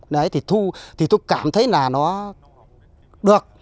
đấy thì thu thì tôi cảm thấy là nó được